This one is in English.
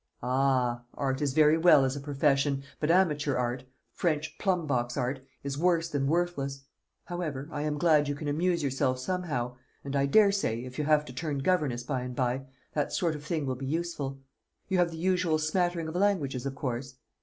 "Ah, art is very well as a profession; but amateur art French plum box art is worse than worthless. However, I am glad you can amuse yourself somehow; and I daresay, if you have to turn governess by and by, that sort of thing will be useful. You have the usual smattering of languages, of course?"